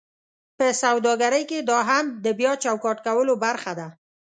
په سوداګرۍ کې دا هم د بیا چوکاټ کولو برخه ده: